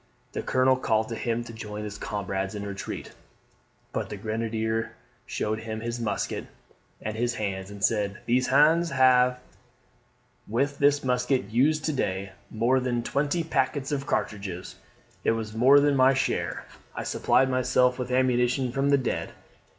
The colonel called to him to join his comrades and retreat; but the grenadier showed him his musket and his hands; and said, "These hands have with this musket used to day more than twenty packets of cartridges: it was more than my share: I supplied myself with ammunition from the dead.